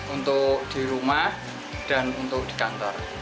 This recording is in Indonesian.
untuk di rumah dan untuk di kantor